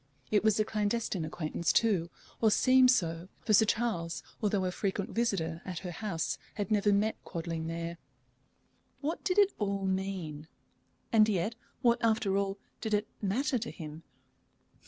It was a clandestine acquaintance too, or seemed so, for Sir Charles, although a frequent visitor at her house, had never met Quadling there. What did it all mean? And yet, what, after all, did it matter to him?